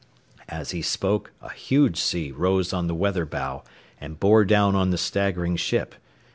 As he spoke a huge sea rose on the weather bow and bore down on the staggering ship.